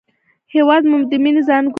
هېواد مو د مینې زانګو ده